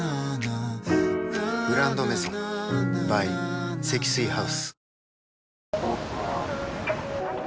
「グランドメゾン」ｂｙ 積水ハウス